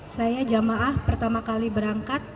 saya jamaah pertama kali berangkat